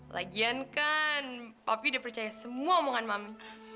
lagian kan opi udah percaya semua omongan mami